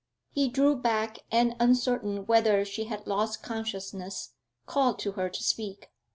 He drew back and, uncertain whether she had lost consciousness, called to her to speak.